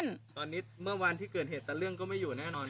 อืมตอนนี้เมื่อวันที่เกิดเหตุแต่เรื่องก็ไม่อยู่แน่นอน